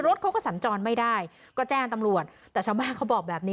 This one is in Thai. รถเขาก็สัญจรไม่ได้ก็แจ้งตำรวจแต่ชาวบ้านเขาบอกแบบนี้